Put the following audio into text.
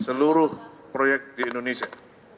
seluruh proyek di indonesia